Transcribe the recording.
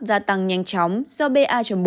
gia tăng nhanh chóng do ba bốn